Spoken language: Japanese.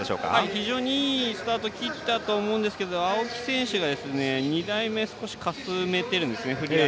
非常にいいスタート切ったと思うんですけど青木選手が２台目少し、かすめてるんですね。